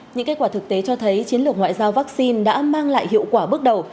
những kết quả thực tế cho thấy chiến lược ngoại giao vaccine đã mang lại hiệu quả bước đầu